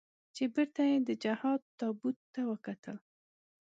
چې بېرته یې د جهاد تابوت ته وکتل.